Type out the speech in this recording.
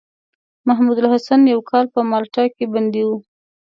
محمودالحسن يو کال په مالټا کې بندي وو.